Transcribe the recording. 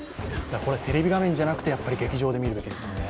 テレビ画面じゃなくてやっぱり劇場で見るべきですね。